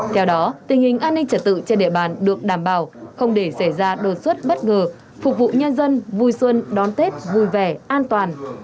theo đó tình hình an ninh trật tự trên địa bàn được đảm bảo không để xảy ra đột xuất bất ngờ phục vụ nhân dân vui xuân đón tết vui vẻ an toàn